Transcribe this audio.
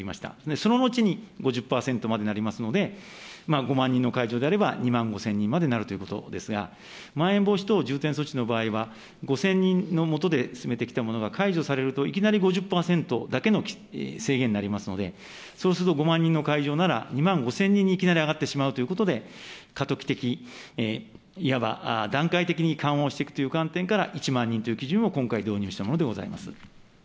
その後に５０％までなりますので、５万人の会場であれば、２万５０００人までなるということですが、まん延防止等重点措置の場合は、５０００人のもとで進めてきたものが、解除されるといきなり５０％だけの制限になりますので、そうすると５万人の会場なら２万５０００人にいきなり上がってしまうということで、過渡期的、いわば段階的に緩和をしていくという観点から、１万人という基準を、今回、導入したものでございます。